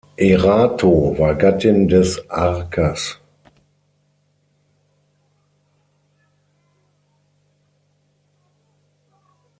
Erato war Gattin des Arkas.